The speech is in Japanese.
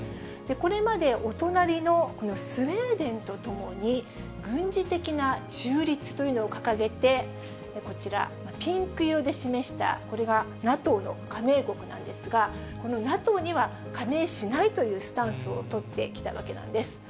これまでお隣のこのスウェーデンとともに、軍事的な中立というのを掲げて、こちら、ピンク色で示した、これがＮＡＴＯの加盟国なんですが、このＮＡＴＯには加盟しないというスタンスを取ってきたわけなんです。